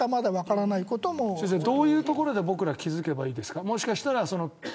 先生、どういうところで僕ら気づけばいいですか。